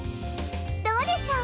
どうでしょう？